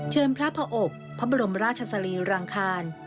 พระพระอบพระบรมราชสรีรังคาร